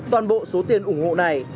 toàn bộ số tiền ủng hộ này